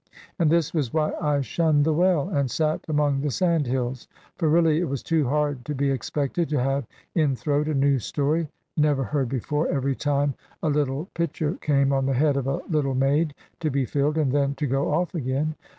And this was why I shunned the well, and sate among the sandhills; for really it was too hard to be expected to have in throat a new story, never heard before, every time a little pitcher came on the head of a little maid, to be filled, and then to go off again.